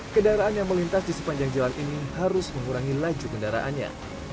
kendaraan yang melintas di sepanjang jalan ini harus mengurangi laju kendaraannya